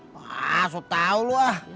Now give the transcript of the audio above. wah susah tau lu ah